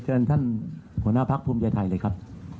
เจอเจนท่านหัวหน้าภักษ์ภูมิใจไทยเลยครับ